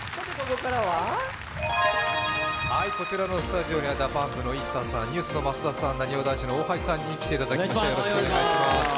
こちらのスタジオにはＤＡＰＵＭＰのＩＳＳＡさん、ＮＥＷＳの増田さん、なにわ男子の大橋さんに来ていただきました。